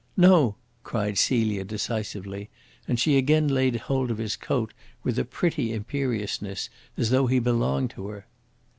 "No!" cried Celia decisively, and she again laid hold of his coat, with a pretty imperiousness, as though he belonged to her.